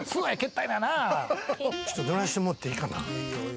ちょっとのらしてもらってええかな？